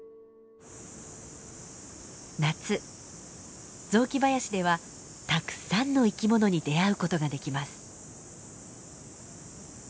夏雑木林ではたくさんの生き物に出会うことができます。